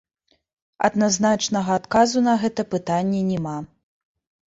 Адназначнага адказу на гэта пытанне няма.